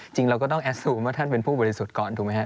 เราก็ต้องแอดซูมว่าท่านเป็นผู้บริสุทธิ์ก่อนถูกไหมฮะ